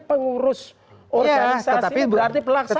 pengurus organisasi berarti pelaksana